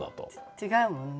違うもんね。